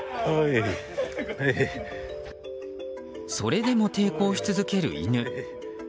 それでも抵抗し続ける犬。